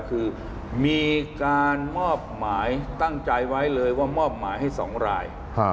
คือมีการมอบหมายตั้งใจไว้เลยว่ามอบหมายให้๒ราย